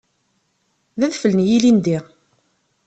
D adfel n yilindi.